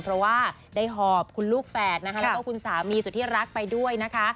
เพราะว่าได้หอบคุณลูกแฝดนะคะแล้วก็คุณสามีสุดที่รักไปด้วยนะคะ